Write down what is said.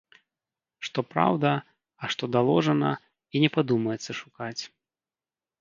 Што праўда, а што даложана, і не падумаецца шукаць.